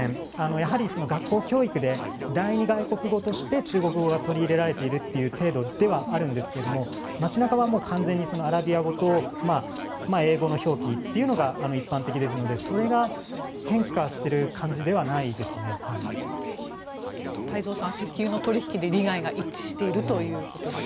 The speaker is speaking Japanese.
やはり学校教育で第２外国語として中国語が取り入れられているんですが街中は完全にアラビア語と英語の表記というのが一般的ですのでそれが変化している感じでは太蔵さん、石油の取引で利害が一致しているということです。